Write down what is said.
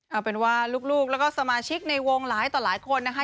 เอาเป็นว่าลูกแล้วก็สมาชิกในวงหลายต่อหลายคนนะคะ